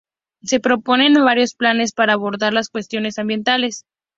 Se proponen varios planes para abordar las cuestiones ambientales.